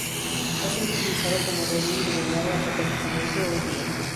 Ha sido utilizado como redil de ganado hasta prácticamente hoy día.